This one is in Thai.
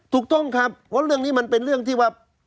ถูกต้องครับเพราะเรื่องนี้มันเป็นเรื่องที่ว่า